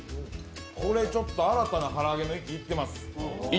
これ、新たな唐揚げの域、いってます。